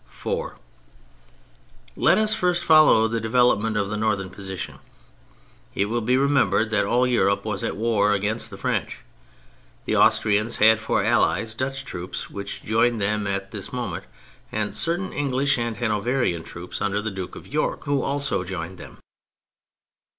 FOUR Let us first follow the development of the northern position. It will be remembered that all Europe was at war against the French. The Austrians had for allies Dutch troops which joined them at this moment, and certain English and Hanoverian troops under the Duke of York who also joined them.